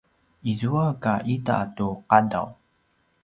izua ka ita tu qadaw